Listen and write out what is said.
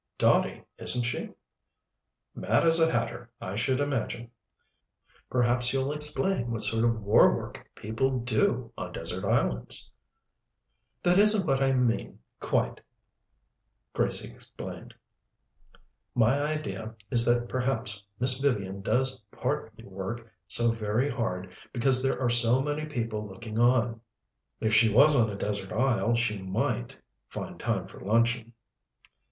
"Dotty, isn't she?" "Mad as a hatter, I should imagine." "Perhaps you'll explain what sort of war work people do on desert islands?" "That isn't what I mean, quite," Gracie explained. "My idea is that perhaps Miss Vivian does partly work so very hard because there are so many people looking on. If she was on a desert isle she might find time for luncheon."